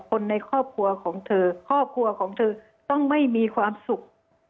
คนในครอบครัวของเธอครอบครัวของเธอต้องไม่มีความสุข